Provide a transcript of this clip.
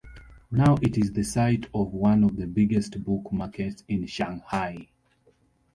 Now it is the site of one of the biggest book markets in Shanghai.